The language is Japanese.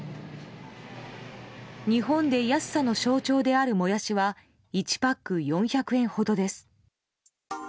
日本で安さの象徴であるモヤシは１パック４００円ほどです。